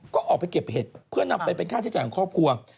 ก็ออกไปเก็บเห็ดเพื่อนำไปเป็นค่าใช้จ่ายของครอบครัว